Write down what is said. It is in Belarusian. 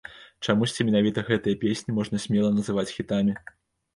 Чамусьці менавіта гэтыя песні можна смела называць хітамі.